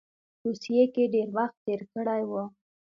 روسیې کې ډېر وخت تېر کړی وو.